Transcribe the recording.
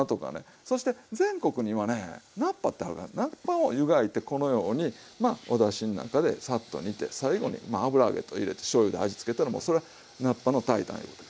そして全国にはね菜っぱってあるから菜っぱをゆがいてこのようにまあおだしなんかでサッと煮て最後にまあ油揚げと入れてしょうゆで味つけたらもうそれは菜っぱの炊いたんいうことや。